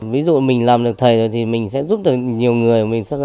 ví dụ mình làm được thầy rồi thì mình sẽ giúp được nhiều người